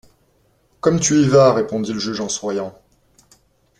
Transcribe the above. Comme tu y vas!... répondit le juge en souriant.